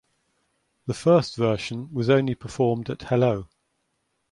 The first version was only performed at Hello!